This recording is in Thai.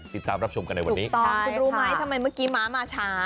ติดตามรับชมกันในวันนี้ถูกต้องคุณรู้ไหมทำไมเมื่อกี้ม้ามาช้า